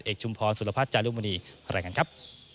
ชุมพรสุรพัฒน์จารุมณีรายงานครับ